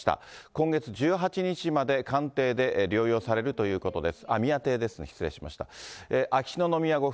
今月１８日までかんていで療養されるということです。